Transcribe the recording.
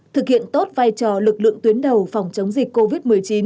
thực hiện tốt vai trò lực lượng tuyến đầu phòng chống dịch covid một mươi chín